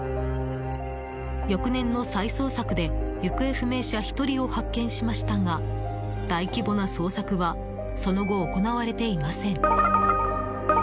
翌年の再捜索で行方不明者１人を発見しましたが大規模な捜索はその後、行われていません。